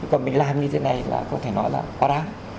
và mình làm như thế này là có thể nói là quá đáng